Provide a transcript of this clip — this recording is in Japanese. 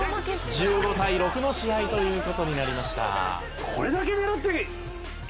「１５対６の試合という事になりました」